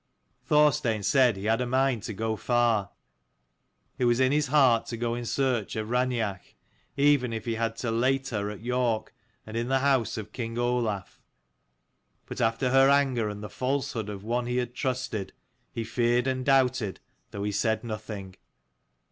Thorstein said he had a mind to go far. It was in his heart to go in search of Raineach, even if he had to lait her at York and in the house of King Olaf : but after her anger and the falsehood of one he had trusted, he feared and doubted, though he said nothing.